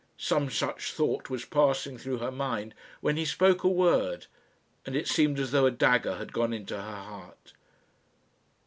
Some such thought was passing through her mind, when he spoke a word, and it seemed as though a dagger had gone into her heart.